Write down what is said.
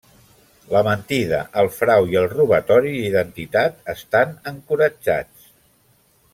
La mentida, el frau i el robatori d'identitat estan encoratjats.